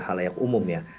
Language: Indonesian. hal layak umum ya